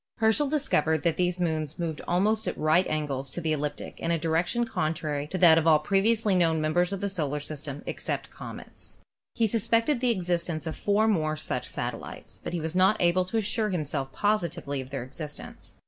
Herschel discovered that these moons moved almost at right angles to the ecliptic in a direction contrary to that of all previously known mem t>e»s of the solar kingdom except the comets. He sus pected the existence of four more such satellites, but he was not able to assure himself positively of their exist ence.